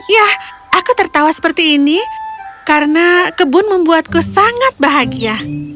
ya aku tertawa seperti ini karena kebun membuatku sangat bahagia